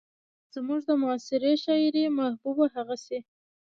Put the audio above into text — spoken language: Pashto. زموږ د معاصرې شاعرۍ محبوبه هغسې